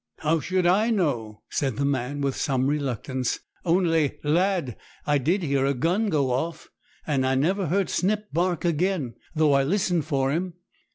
'How should I know?' said the man, with some reluctance. 'Only, lad, I did hear a gun go off; and I never heard Snip bark again, though I listened for him.